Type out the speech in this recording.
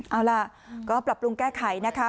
เอาล่ะก็ปรับปรุงแก้ไขนะคะ